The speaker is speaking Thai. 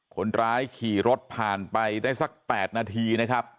คนร้ายขี่รถผ่านไปได้สัก๘นาทีนะครับ